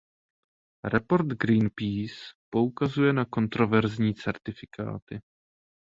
Report Greenpeace poukazuje na kontroverzní certifikáty.